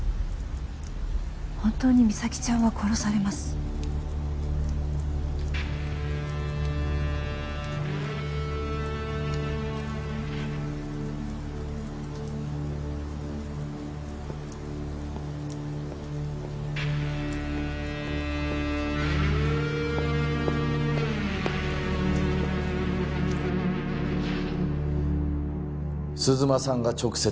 本当に実咲ちゃんは殺されます鈴間さんが直接？